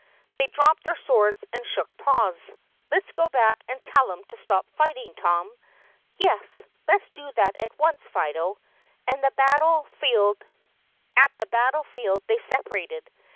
They dropped their swords and shook paws. "Let 's go back and tell 'em to stop fighting, Tom." "Yes, let 's do that at once, Fido." At the battle field they separated.